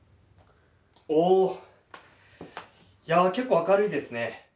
おお結構、明るいですね。